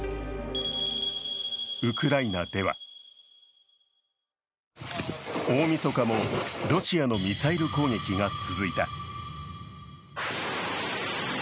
ウクライナでは大みそかもロシアのミサイル攻撃が続いた。